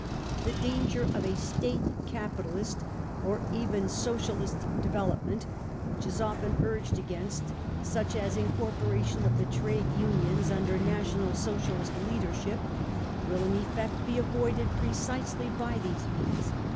The danger of a State capitalist or even socialistic development, which is often urged against such an incorporation of the trade unions under National Socialist leadership, will in fact be avoided precisely by these means.